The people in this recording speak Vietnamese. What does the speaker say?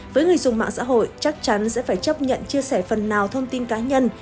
với người dùng mạng xã hội chắc chắn sẽ phải chấp nhận chia sẻ phần nào thông tin cá nhân